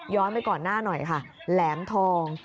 ไปก่อนหน้าหน่อยค่ะแหลมทอง